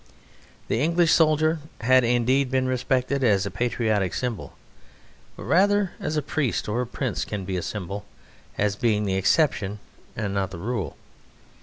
The English soldier had indeed been respected as a patriotic symbol, but rather as a priest or a prince can be a symbol, as being the exception and not the rule.